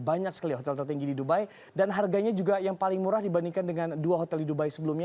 banyak sekali hotel tertinggi di dubai dan harganya juga yang paling murah dibandingkan dengan dua hotel di dubai sebelumnya